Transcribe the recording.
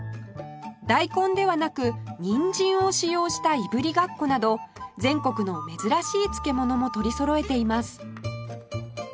ダイコンではなくニンジンを使用したいぶりがっこなど全国の珍しい漬物も取りそろえています